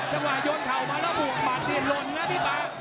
จังหวะโยนเข่ามาแล้วบวกหมัดนี่ลนนะพี่ป๊า